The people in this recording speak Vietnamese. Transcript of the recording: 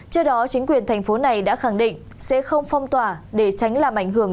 trước đó chính quyền thành phố này đã khẳng định sẽ không phong tỏa để tránh làm ảnh hưởng